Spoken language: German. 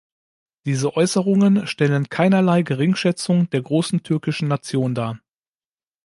Diese Äußerungen stellen keinerlei Geringschätzung der großen türkischen Nation dar.